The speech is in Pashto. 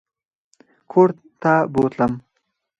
کورته بوتلم.